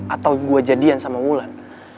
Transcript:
atau gue jadian sama wulan